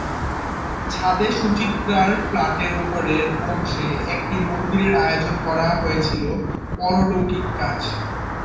ছাদে সুচিত্রার ফ্ল্যাটের ওপরের অংশে একটি মন্দিরে আয়োজন করা হয়েছিল পারলৌকিক কাজ।